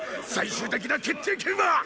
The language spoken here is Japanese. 最終的な決定権は！